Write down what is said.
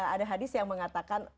ada hadis yang mengatakan